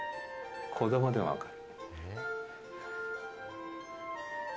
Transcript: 子どもでも分かる。